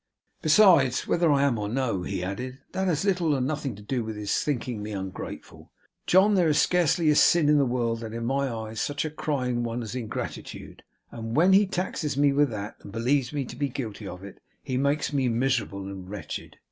'Besides, whether I am or no,' he added, 'that has little or nothing to do with his thinking me ungrateful. John, there is scarcely a sin in the world that is in my eyes such a crying one as ingratitude; and when he taxes me with that, and believes me to be guilty of it, he makes me miserable and wretched.